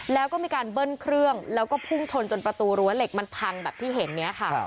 แล้วก็มีการเบิ้ลเครื่องแล้วก็พุ่งชนจนประตูรั้วเหล็กมันพังแบบที่เห็นเนี่ยค่ะ